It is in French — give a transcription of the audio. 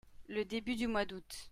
Le début du mois d'août.